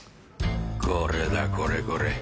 これだこれこれ。